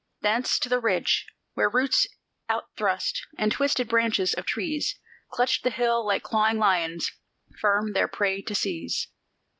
Thence to the ridge, where roots out thrust, and twisted branches of trees Clutched the hill like clawing lions, firm their prey to seize.